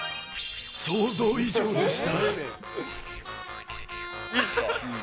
想像以上でした。